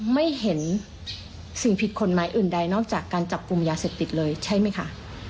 ไม่เห็นสิ่งผิดกฎหมายอื่นใดนอกจากการจับกลุ่มยาเสพติดเลยใช่ไหมคะ